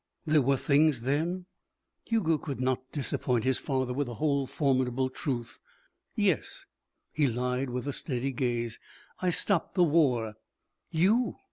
"There were things, then?" Hugo could not disappoint his father with the whole formidable truth. "Yes." He lied with a steady gaze. "I stopped the war." "You!"